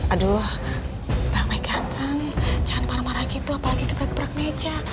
aduh bang mike ganteng jangan marah marah gitu apalagi gebra gebrak meja